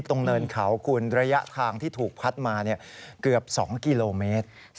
เนินเขาคุณระยะทางที่ถูกพัดมาเกือบ๒กิโลเมตร